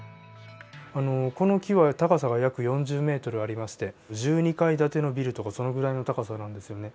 この木は高さが約４０ｍありまして１２階建てのビルとかそのぐらいの高さなんですよね。